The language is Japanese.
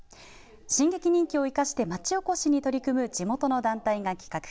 進撃人気を生かしてまちおこしを取り組む地元の団体が企画。